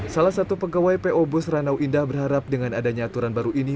salah satu pegawai po bus ranau indah berharap dengan adanya aturan baru ini